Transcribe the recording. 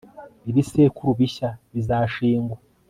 ibisekuru bishya bizashingwa